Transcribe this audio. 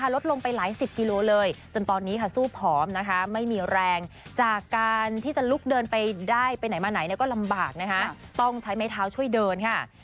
ลดลงไปหลายสิบกิโลเลยจนตอนนี้ค่ะสู้ผอมนะคะไม่มีแรงจากการที่จะลุกเดินไปได้ไปไหนมาไหนก็ลำบากนะคะต้องใช้ไม้เท้าช่วยเดินค่ะ